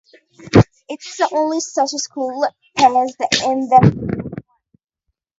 It is the only such school based in an aquarium.